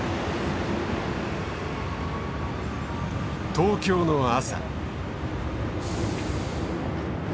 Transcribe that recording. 東京の朝。